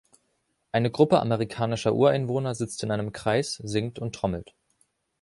Eine Gruppe amerikanischer Ureinwohner sitzt in einem Kreis, singt und trommelt.